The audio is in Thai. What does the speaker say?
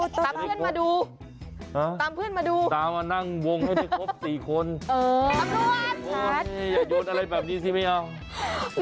ตามเพื่อนมาดูถ้ามานั่งวงให้ไม่ครบ๔คน